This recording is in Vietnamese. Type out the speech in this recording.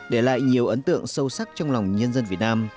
để lại nhiều ấn tượng sâu sắc trong lòng nhân dân việt nam